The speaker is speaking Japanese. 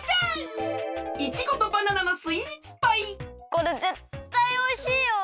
これぜったいおいしいよ！